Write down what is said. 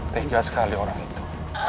tegas sekali orang itu